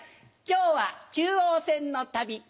今日は中央線の旅。